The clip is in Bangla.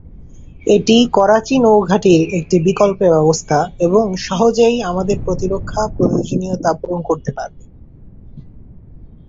এটি করাচি নৌ ঘাঁটির একটি বিকল্প ব্যবস্থা এবং সহজেই আমাদের প্রতিরক্ষা প্রয়োজনীয়তা পূরণ করতে পারে।